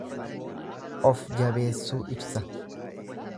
Of jabeessuu ibsa.